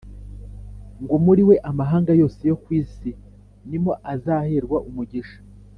ngo muri we amahanga yose yo ku isi ni mo azaherwa umugisha